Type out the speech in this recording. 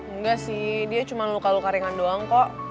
enggak sih dia cuma luka luka ringan doang kok